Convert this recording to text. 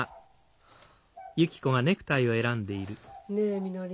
ねえみのり。